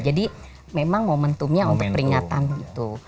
jadi memang momentumnya untuk peringatan gitu